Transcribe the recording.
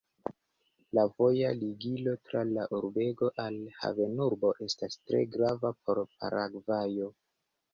La voja ligilo tra la urbego al havenurbo estas tre grava por Paragvajo.